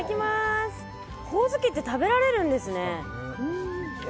ホオズキって食べられるんですね。